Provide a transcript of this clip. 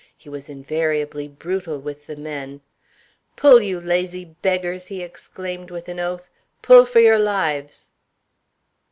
He was invariably brutal with the men. "Pull, you lazy beggars!" he exclaimed, with an oath. "Pull for your lives!"